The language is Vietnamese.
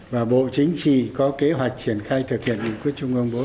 và bộ chính trị có kế hoạch triển khai thực hiện nghị quyết trung ương bốn